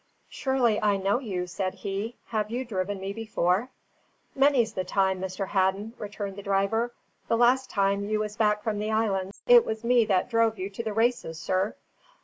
"Surely I know you?" said he. "Have you driven me before?" "Many's the time, Mr. Hadden," returned the driver. "The last time you was back from the islands, it was me that drove you to the races, sir."